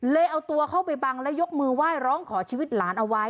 เอาตัวเข้าไปบังและยกมือไหว้ร้องขอชีวิตหลานเอาไว้